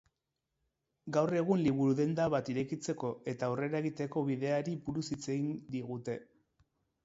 Gaur egun liburu-denda bat irekitzeko eta aurrera egiteko bideari buruz hitz egin digute.